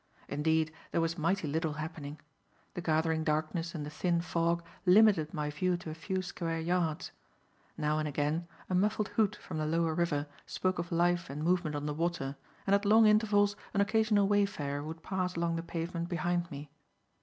Indeed, there was mighty little happening. The gathering darkness and the thin fog limited my view to a few square yards. Now and again, a muffled hoot from the lower river spoke of life and movement on the water, and at long intervals an occasional wayfarer would pass along the pavement behind me.